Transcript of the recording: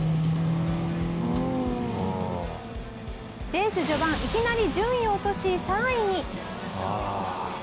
レース序盤いきなり順位を落とし３位に。